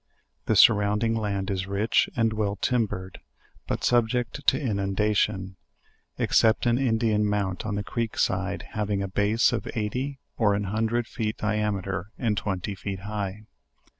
The surrounding land is rich and well timbered, but subject to inundation, except an Indian mount on the creek side, having a base of eighty or an hundred feet diameter, and twenty feet high.